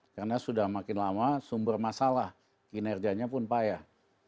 karena sudah makin lama sumber masalah kinerjanya pun payah